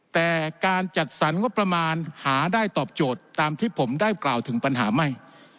แต่การจัดสรรงบประมาณหาได้ตอบโจทย์ตามที่ผมได้กล่าวถึงปัญหาไม่